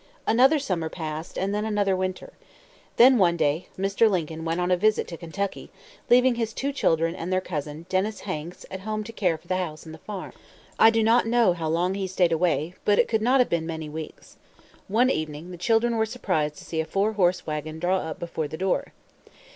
Another summer passed, and then another winter. Then, one day, Mr. Lincoln went on a visit to Kentucky, leaving his two children and their cousin, Dennis Hanks, at home to care for the house and the farm. I do not know how long he stayed away, but it could not have been many weeks. One evening, the children were surprised to see a four horse wagon draw up before the door.